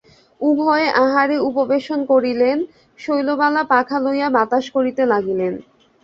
উভয়ে আহারে উপবেশন করিলেন, শৈলবালা পাখা লইয়া বাতাস করিতে লাগিলেন।